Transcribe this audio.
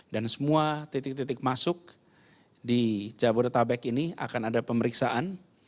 dan semua titik titik masuk di jabodetabek ini akan ada pemeriksaan